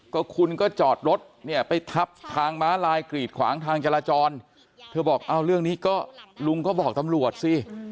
ก็คุณก็จอดรถเนี่ยไปทับทางม้าลายกรีดขวางทางจราจรเธอบอกเอาเรื่องนี้ก็ลุงก็บอกตำรวจสิ